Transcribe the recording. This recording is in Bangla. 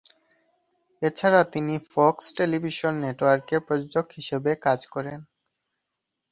এছাড়া তিনি ফক্স টেলিভিশন নেটওয়ার্কে প্রযোজক হিসেবে কাজ করেন।